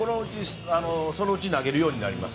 そのうち投げるようになります。